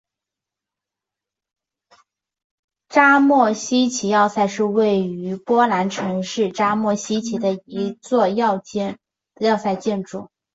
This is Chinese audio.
扎莫希奇要塞是位于波兰城市扎莫希奇的一座要塞建筑。